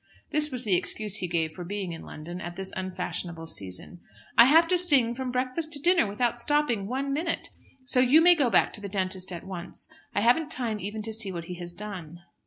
This was the excuse he gave for being in London at this unfashionable season. "I have to sing from breakfast to dinner without stopping one minute, so you may go back to the dentist at once. I haven't time even to see what he has done."